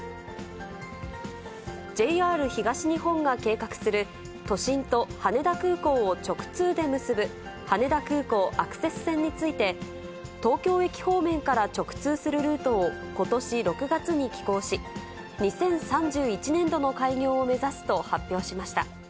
ＪＲ東日本が計画する、都心と羽田空港を直通で結ぶ、羽田空港アクセス線について、東京駅方面から直通するルートを、ことし６月に起工し、２０３１年度の開業を目指すと発表しました。